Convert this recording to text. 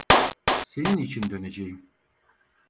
Senin için döneceğim.